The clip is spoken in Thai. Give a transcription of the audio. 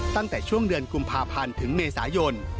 ตั้งแต่ช่วงเดือนกุมภาพันธ์ถึงเมษายน